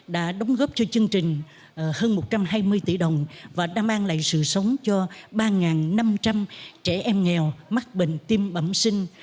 đã đóng góp cho chương trình hơn một trăm hai mươi tỷ đồng và đã mang lại sự sống cho ba năm trăm linh trẻ em nghèo mắc bệnh tim bẩm sinh